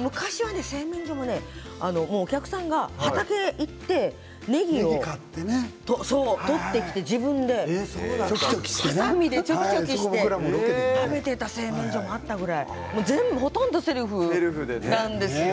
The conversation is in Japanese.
昔は製麺所は畑に行ってねぎを買って取ってきて自分ではさみでちょきちょきして食べていた製麺所があったぐらいほとんどセルフなんですよ。